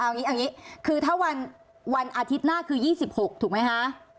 เอาอย่างนี้คือถ้าวันอาทิตย์หน้าคือ๒๖ถูกไหมคะ